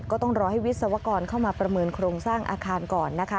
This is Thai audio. ก็ต้องรอให้วิศวกรเข้ามาประเมินโครงสร้างอาคารก่อนนะคะ